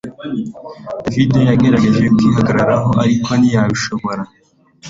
David yagerageje kwihagararaho ariko ntiyabishobora